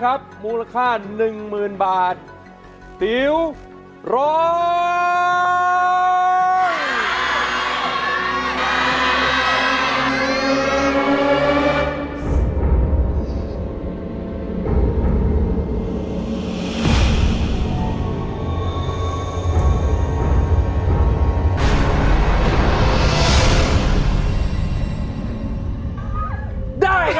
โทษให้โทษให้โทษให้